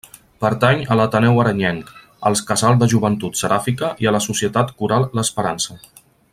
Pertany a l'Ateneu Arenyenc, als Casal de Joventut Seràfica i a la Societat Coral l'Esperança.